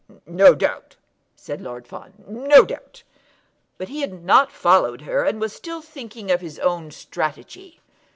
"No doubt," said Lord Fawn; "no doubt." But he had not followed her, and was still thinking of his own strategy.